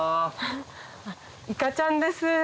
いかちゃんです！